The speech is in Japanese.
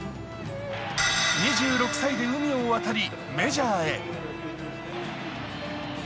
２６歳で海を渡りメジャーへ。